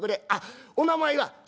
ああお名前は？」。